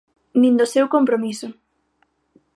Nin do seu compromiso.